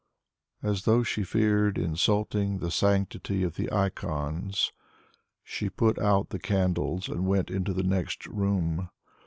As though she feared insulting the sanctity of the icons she put out the candles and went into the next room.